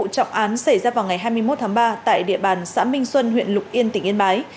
thưa quý vị liên quan đến vụ trọng án xảy ra vào ngày hai mươi một tháng ba tại địa bàn xã minh xuân huyện lục yên tỉnh yên bái